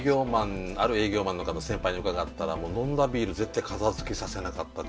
ある営業マンの方先輩に伺ったら飲んだビール絶対片づけさせなかったと。